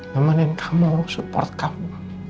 nemanin kamu support kamu